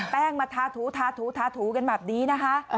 มาทาถูทาถูทาถูกันแบบนี้นะคะ